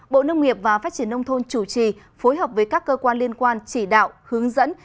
bộ nông nghiệp và phát triển nông thôn chủ trì phối hợp với các cơ quan liên quan chỉ đạo hướng dẫn